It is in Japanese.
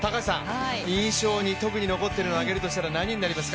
印象に特に残っているのを挙げるとするとどのシーンになりますか？